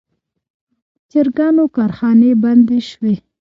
د چرګانو کارخانې بندې شوي.